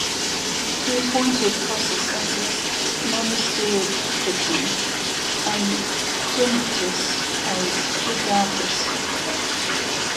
He appointed Cossus as his "magister equitum" and Quinctius as "legatus".